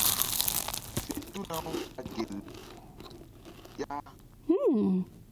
Fe tuna-u ɓa gel ƴah.